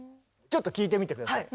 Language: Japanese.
ちょっと聴いてみて下さい。